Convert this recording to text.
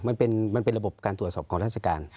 มันเป็นระบบการตรวจสอบของราชการ